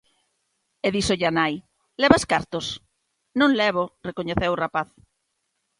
E díxolle a nai: "Levas cartos?" "Non levo", recoñeceu o rapaz.